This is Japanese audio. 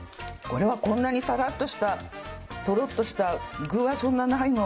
これはこんなにさらっとした、とろっとした、具はそんなにあるの？